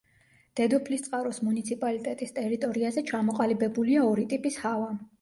დედოფლისწყაროს მუნიციპალიტეტის ტერიტორიაზე ჩამოყალიბებულია ორი ტიპის ჰავა.